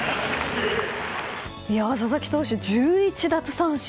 佐々木投手、１１奪三振。